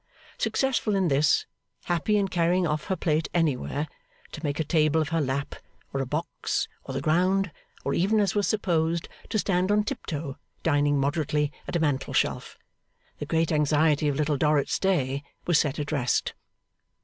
Successful in this, happy in carrying off her plate anywhere, to make a table of her lap, or a box, or the ground, or even as was supposed, to stand on tip toe, dining moderately at a mantel shelf; the great anxiety of Little Dorrit's day was set at rest.